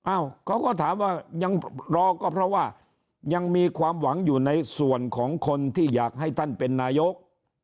เขาก็ถามว่ายังรอก็เพราะว่ายังมีความหวังอยู่ในส่วนของคนที่อยากให้ท่านเป็นนายก